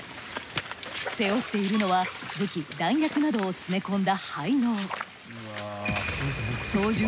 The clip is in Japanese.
背負っているのは武器弾薬などを詰め込んだ背のう。